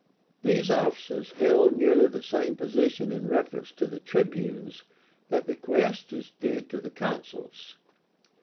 These officers held nearly the same position in reference to the Tribunes that the Quaestors did to the Consuls.